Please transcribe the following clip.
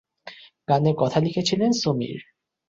গানের কথা লিখেছিলেন সমীর।